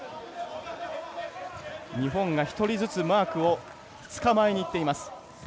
日本が１人ずつマークをつかまえにいっています。